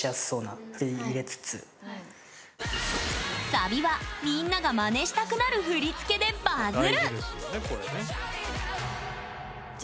サビはみんながマネしたくなる振り付けでバズる！